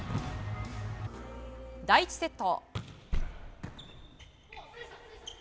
第１セット。